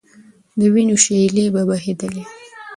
د وینو شېلې به بهېدلې.